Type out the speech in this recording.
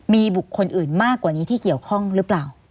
มีบุคคลอื่นมากกว่านี้ที่เกี่ยวข้องหรือเปล่า